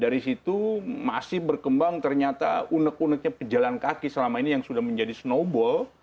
dari situ masih berkembang ternyata unek uneknya pejalan kaki selama ini yang sudah menjadi snowball